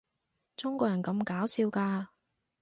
中國人咁搞笑㗎